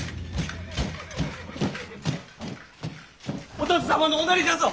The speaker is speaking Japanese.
お田鶴様のおなりじゃぞ！